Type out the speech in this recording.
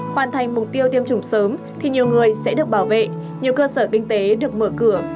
hoàn thành mục tiêu tiêm chủng sớm thì nhiều người sẽ được bảo vệ nhiều cơ sở kinh tế được mở cửa